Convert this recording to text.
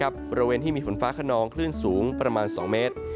บริเวณที่มีฝนฟ้าขนองคลื่นสูงประมาณ๒เมตร